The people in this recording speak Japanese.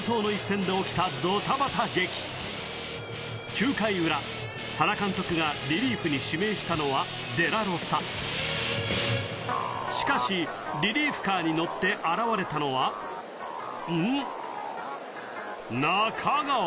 ９回裏原監督がリリーフに指名したのはデラロサしかしリリーフカーに乗って現れたのはん？